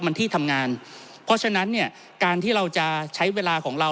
มันที่ทำงานเพราะฉะนั้นเนี่ยการที่เราจะใช้เวลาของเรา